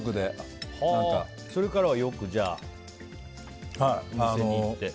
それからはよくお店に行って？